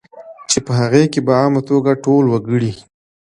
چې په هغې کې په عامه توګه ټول وګړي